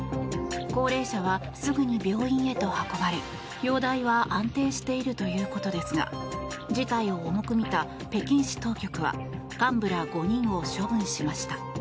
高齢者はすぐに病院へと運ばれ容体は安定しているということですが事態を重く見た北京市当局は幹部ら５人を処分しました。